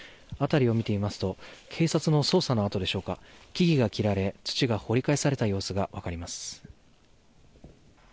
辺りを見てみますと警察の捜査の跡でしょうか木々が切られ土が掘り返された様子が分かります。